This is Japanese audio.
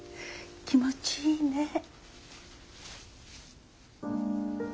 気持ちいいね。